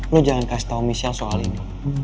lo jangan kasih tau michelle soal ini